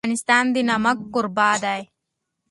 افغانستان د نمک کوربه دی.